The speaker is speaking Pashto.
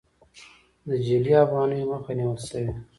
د جعلي افغانیو مخه نیول شوې؟